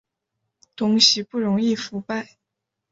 东西不容易腐败